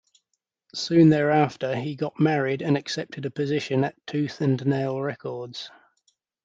Soon thereafter he got married and accepted a position at Tooth and Nail Records.